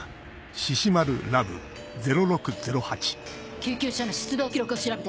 救急車の出動記録を調べて。